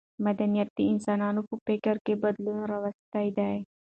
مدنیت د انسانانو په فکرونو کې بدلون راوستی دی.